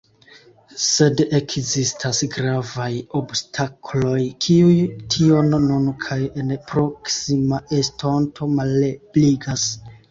Sed ekzistas gravaj obstakloj, kiuj tion nun kaj en proksima estonto malebligas.